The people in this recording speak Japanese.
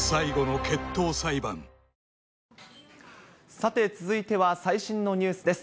さて、続いては最新のニュースです。